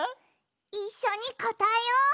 いっしょにこたえよう。